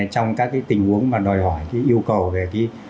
trong các tình huống mà đòi hỏi yêu cầu về